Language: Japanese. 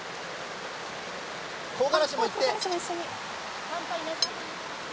香辛子もいって。